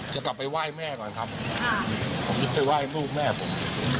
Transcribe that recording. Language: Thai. จะกลับไปไว้แม่ก่อนผมจะไปไว้ลูกแม่ผม